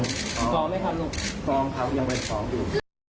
ฟร้อมไหมครับหนุ่มฟร้อมครับยังไว้ฟร้อมอยู่